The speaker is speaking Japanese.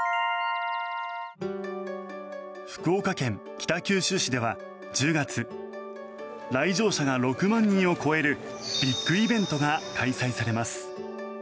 福岡県北九州市では１０月来場者が６万人を超えるビッグイベントが開催されます。